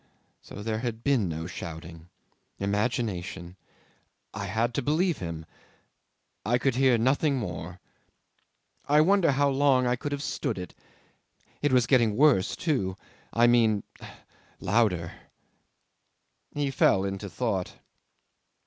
So there had been no shouting. Imagination. I had to believe him. I could hear nothing any more. I wonder how long I could have stood it. It was getting worse, too ... I mean louder." 'He fell into thought.